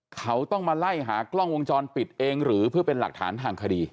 เขาต้องมาไล่หากล้องวงจรปิดเองหรือเพื่อเป็นหลักฐานทางคดี